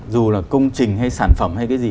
dù là công trình hay sản phẩm hay cái gì